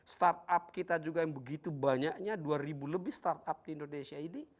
start up kita juga yang begitu banyaknya dua ribu lebih start up di indonesia ini